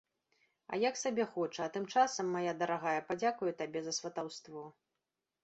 А як сабе хоча, а тым часам, мая дарагая, падзякую табе за сватаўство.